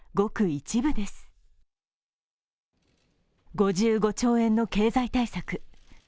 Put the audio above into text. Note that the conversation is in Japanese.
５５兆円の経済対策。